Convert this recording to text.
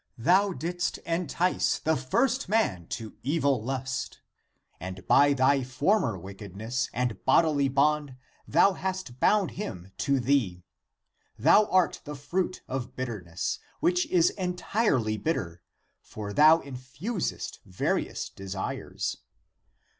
Thou didst entice the first man to evil lust, and by thy former wickedness and bodily bond thou hast bound him (to thee). Thou art the fruit of bitter ness, which is entirely bitter, for thou infusest va rious desires.